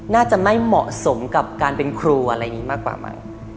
น่าจะไม่เหมาะสมกับการเป็นครูอะไรอย่างนี้มากกว่ามั้ง